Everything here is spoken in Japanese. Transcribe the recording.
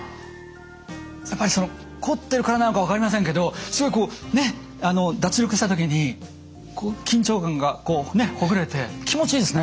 やっぱりそのこってるからなのか分かりませんけどすごいこうねっ脱力した時に緊張感がほぐれて気持ちいいですね。